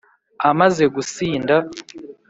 . Amaze gusinda,